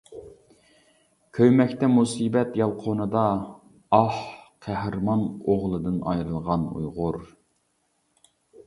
كۆيمەكتە مۇسىبەت يالقۇنىدا، ئاھ، قەھرىمان ئوغلىدىن ئايرىلغان ئۇيغۇر.